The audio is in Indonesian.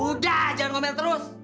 udah jangan ngomel terus